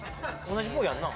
同じポイやんな？